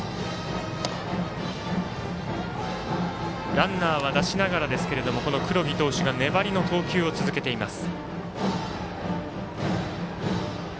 ランナーは出しながらですがこの黒木投手が粘りの投球を続けています。